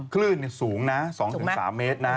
คลื่นสูงนะ๒๓เมตรนะ